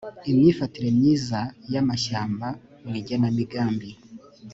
imifatire myiza y amashyamba mu igenamigambi